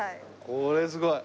これすごい！